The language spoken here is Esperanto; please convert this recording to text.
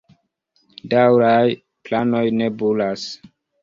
Daŭraj planoj nebulas.